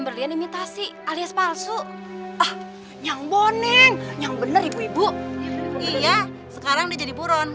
berlian imitasi alias palsu ah nyang boning nyang bener ibu ibu iya sekarang dia jadi buron